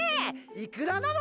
いくらなの？